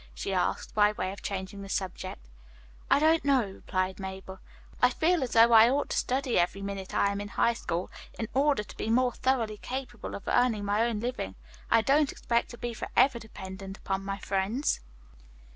she asked, by way of changing the subject. "I don't know," replied Mabel. "I feel as though I ought to study every minute I am in High School, in order to be more thoroughly capable of earning my own living. I don't expect to be forever dependent upon my friends."